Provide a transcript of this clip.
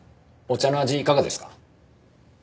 お茶の味いかがですか？